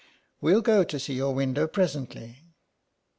" We'll go to see your window presently."